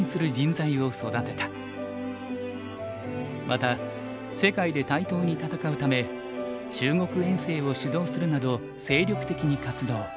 また世界で対等に戦うため中国遠征を主導するなど精力的に活動。